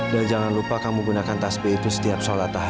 dan jangan lupa kamu gunakan tasbih itu setiap sholat tahajud ya